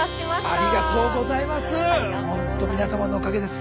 ありがとうございます！